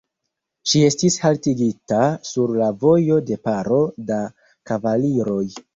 Ŝi estis haltigita sur la vojo de paro da kavaliroj.